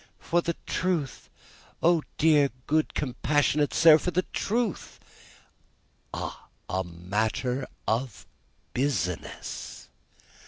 "For the truth. O dear, good, compassionate sir, for the truth!" "A a matter of business.